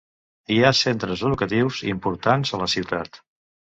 Hi ha centres educatius importants a la ciutat.